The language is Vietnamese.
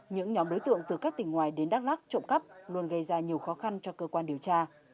những nhóm đối tượng từ các tỉnh ngoài đến đắk lắc trộm cắp luôn gây ra nhiều khó khăn cho cơ quan điều tra